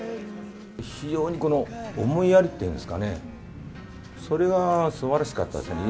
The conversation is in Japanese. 非常に思いやりっていうんですかね、それがすばらしかったですね。